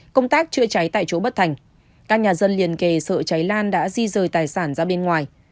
công tác chữa cháy tại chỗ bất thành các nhà dân liền kề sợ cháy lan đã di rời tài sản ra bên ngoài